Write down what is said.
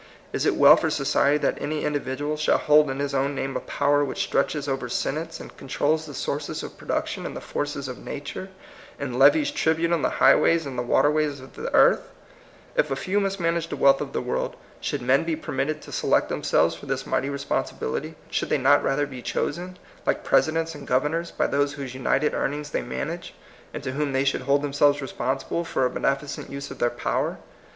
Is it well for society that any individual shall hold in his own name a power which stretches over senates, and controls the sources of production and the forces of nature, and levies tribute on the highways and the waterways of the earth? If a few must manage the wealth of the world, should POSSIBLE REVOLUTION, 155 men be permitted to select themselves for this mighty responsibility? Should they not rather be chosen, like presidents and governors, by those whose united earnings they manage, and to whom they should hold themselves responsible for a benefi cent use of their power?